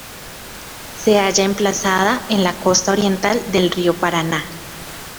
Se halla emplazada en la costa oriental del río Paraná.